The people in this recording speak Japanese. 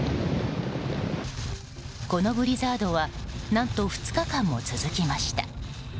このブリザードは何と２日間も続きました。